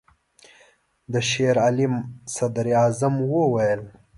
د شېر علي صدراعظم وویل.